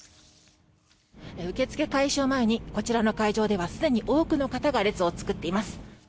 受け付け開始を前にこちらの会場ではすでに多くの方が列を作っています。